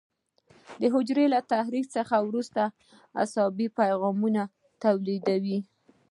دا حجرې له تحریک څخه وروسته عصبي پیغامونه تولیدوي.